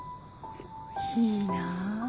いいなぁ。